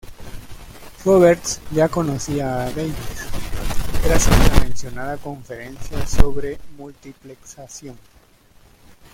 Roberts ya conocía a Davies gracias a la mencionada conferencia sobre multiplexación.